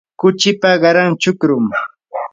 kuchipa qaran chukrumi.